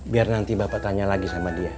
biar nanti bapak tanya lagi sama dia